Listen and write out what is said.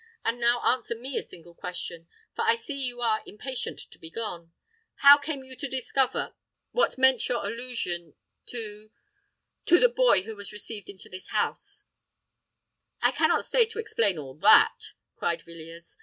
And now answer me a single question—for I see you are impatient to be gone:—How came you to discover——what meant your allusion—to—to the boy who was received into this house——" "I cannot stay to explain all that," cried Villiers.